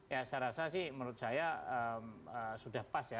ya saya rasa sih menurut saya sudah pas ya